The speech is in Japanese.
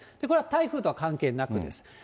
これは台風とは関係なくです。